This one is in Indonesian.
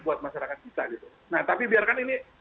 buat masyarakat kita gitu nah tapi biarkan ini